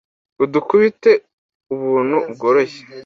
Udukubite ubuntu bworoshye.